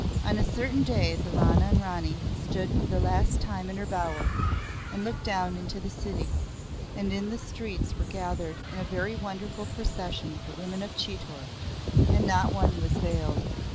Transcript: On a certain day the Rana and the Rani stood for the last time in her bower, and looked down into the city; and in the streets were gathered in a very wonderful procession the women of Chitor; and not one was veiled.